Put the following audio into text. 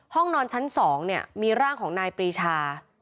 ห้องนอนชั้น๒เนี่ยมีร่างของนายปรีชา